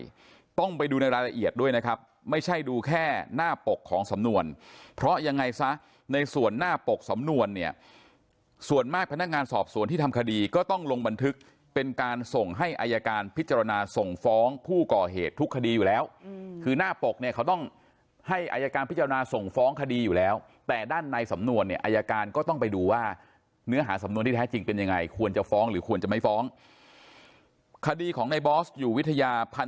ก็ต้องไปดูในรายละเอียดด้วยนะครับไม่ใช่ดูแค่หน้าปกของสำนวนเพราะยังไงซะในส่วนหน้าปกสำนวนเนี่ยส่วนมากพนักงานสอบสวนที่ทำคดีก็ต้องลงบันทึกเป็นการส่งให้อายการพิจารณาส่งฟ้องผู้ก่อเหตุทุกคดีอยู่แล้วคือหน้าปกเนี่ยเขาต้องให้อายการพิจารณาส่งฟ้องคดีอยู่แล้วแต่ด้านในสำนวนเนี่ยอ